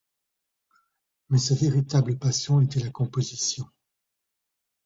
Mais sa véritable passion était la composition.